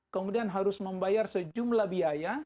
kemudian harus membayar sejumlah biaya